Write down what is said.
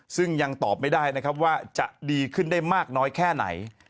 ซึ่งยังตอบไม่ได้นะครับว่าจะดีขึ้นได้มากน้อยแค่ไหน